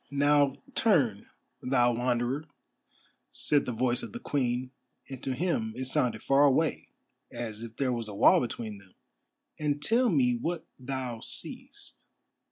"Now turn, thou Wanderer," said the voice of the Queen, and to him it sounded far away, as if there was a wall between them, "and tell me what thou seest."